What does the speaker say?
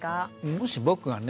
もし僕がね